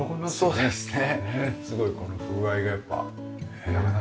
そうですね。